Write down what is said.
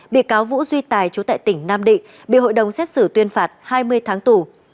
bị cáo vũ duy tài chú tại tỉnh nam định bị hội đồng xét xử tuyên phạt hai mươi tháng tù